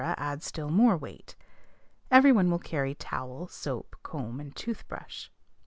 add still more weight. Every one will carry towel, soap, comb, and toothbrush.